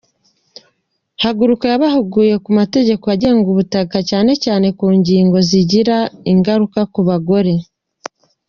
Haguruka yabahuguye ku mategeko agenga ubutaka, cyane cyane ku ngingo zigira ingaruka ku bagore.